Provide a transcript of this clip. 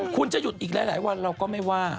คุณจะหยุดอีกหลายวันเราก็ไม่ว่า